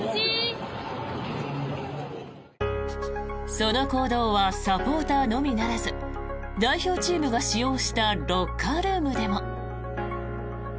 その行動はサポーターのみならず代表チームが使用したロッカールームでも。